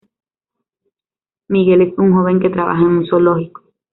Miguel es un joven que trabaja en un zoológico.